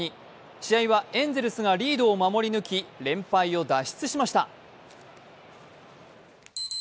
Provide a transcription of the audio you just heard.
試合はエンゼルスがリードを守り抜き、連敗を脱出しました。